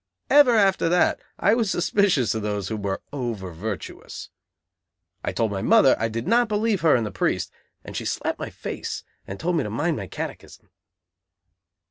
Ever after that I was suspicious of those who were over virtuous. I told my mother I did not believe her and the priest, and she slapped my face and told me to mind my catechism.